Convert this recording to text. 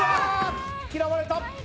嫌われた。